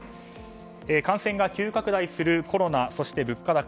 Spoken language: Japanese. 感染が急拡大するコロナそして物価高